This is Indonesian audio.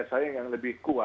perusahaan yang lebih kuat